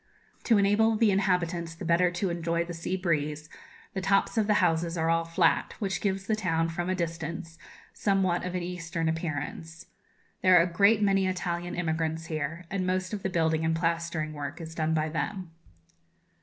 To enable the inhabitants the better to enjoy the sea breeze, the tops of the houses are all flat, which gives the town, from a distance, somewhat of an eastern appearance. There are a great many Italian immigrants here, and most of the building and plastering work is done by them.